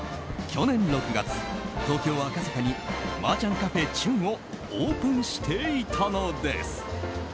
去年６月、東京・赤坂に麻雀カフェｃｈｕｎ．をオープンしていたのです。